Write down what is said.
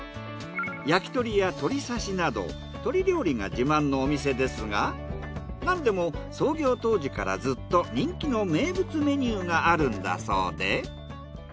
焼き鳥や鳥刺しなど鶏料理が自慢のお店ですがなんでも創業当時からずっと人気の名物メニューがあるんだそうで。